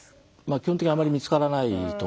基本的にあまり見つからないと思うんですね。